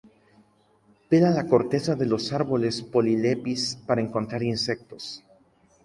Pela la corteza de los árboles Polylepis para encontrar insectos.